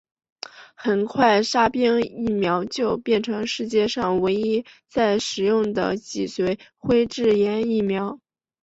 很快沙宾疫苗就变成世界上唯一在使用的脊髓灰质炎疫苗。